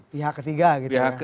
pihak ketiga gitu ya